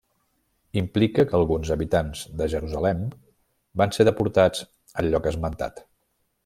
Implica que alguns habitants de Jerusalem van ser deportats al lloc esmentat.